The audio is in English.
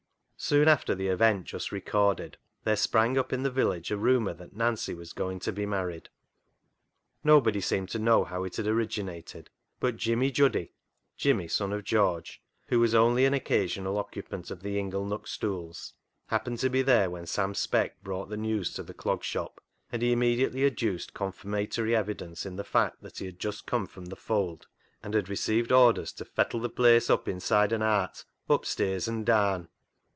Soon after the event just recorded, there sprang up in the village a rumour that Nancy was going to be married. Nobody seemed to know how it had originated, but Jimmy Juddy (Jimmy, son of George), who was only an occasional occupant of the ingle nook stools, happened to be there when Sam Speck brought the news to the Clog Shop, and he immediately adduced confirmatory evidence in the fact that he had just come from the Fold, and had re ceived orders to " fettle th' place up inside and aat, upstirs an' daan."